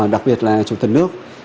đặc biệt là chủ tịch nước